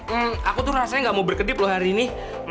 hmm aku tuh rasanya gak mau berkedip loh hari ini